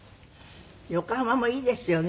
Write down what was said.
横浜もいいですよね。